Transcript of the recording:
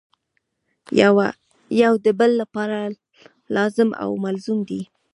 یو د بل لپاره لازم او ملزوم دي.